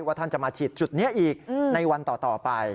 ท่านจะมาฉีดจุดนี้อีกในวันต่อไป